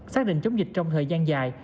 xác định chống dịch trong thời gian dài